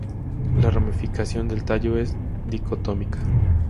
La ramificación del tallo es dicotómica.